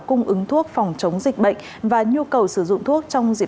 cung ứng thuốc phòng chống dịch bệnh và nhu cầu sử dụng thuốc